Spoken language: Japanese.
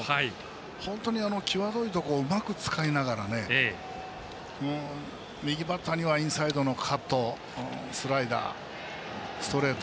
本当に際どいところをうまく使いながら右バッターにはインサイドのカットスライダー、ストレート